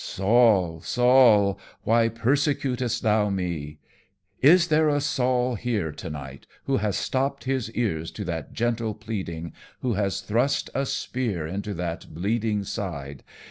"Saul, Saul, why persecutest thou me? Is there a Saul here to night who has stopped his ears to that gentle pleading, who has thrust a spear into that bleeding side?